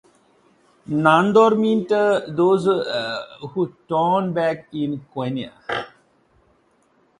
"Nandor" meant "those who turn back" in Quenya.